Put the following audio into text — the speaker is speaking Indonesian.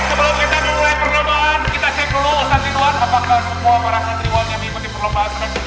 kalau sudah lomba maka jadinya